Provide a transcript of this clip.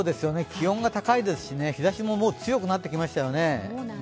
気温が高いですし、日ざしももう強くなってきましたよね。